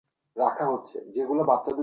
যাকে ইচ্ছা পথভ্রষ্ট করেন।